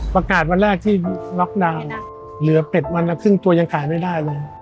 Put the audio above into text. ประกาศวันแรกที่ล็อกดาวน์เหลือเป็ดวันละครึ่งตัวยังขายไม่ได้เลย